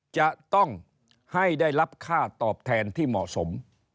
จะต้องให้ได้รับค่าตอบแทนที่เหมาะสม